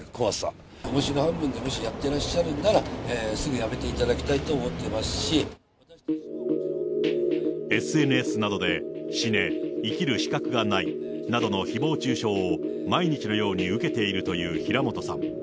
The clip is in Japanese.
もしおもしろ半分でやっていらっしゃるなら、すぐやめていただきＳＮＳなどで、死ね、生きる資格がないなどのひぼう中傷を、毎日のように受けているという平本さん。